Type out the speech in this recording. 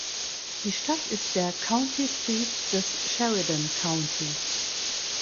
Die Stadt ist der County Seat des Sheridan Countys.